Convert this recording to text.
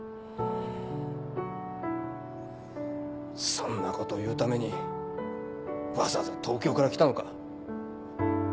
そんなこと言うためにわざわざ東京から来たのか。